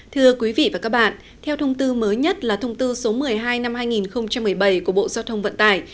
thưa quý vị và các bạn theo thông tư mới nhất là thông tư số một mươi hai năm hai nghìn một mươi bảy của bộ giao thông vận tải